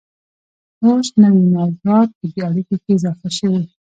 اوس نوي موضوعات په دې اړیکو کې اضافه شوي